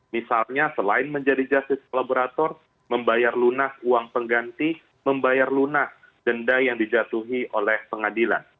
misalnya selain menjadi justice collaborator membayar lunas uang pengganti membayar lunas denda yang dijatuhi oleh pengadilan